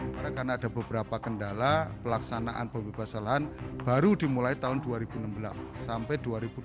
karena ada beberapa kendala pelaksanaan pembebasan baru dimulai tahun dua ribu enam belas sampai dua ribu dua puluh satu